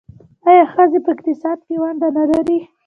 آیا ښځې په اقتصاد کې ونډه نلري؟